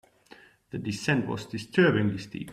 The descent was disturbingly steep.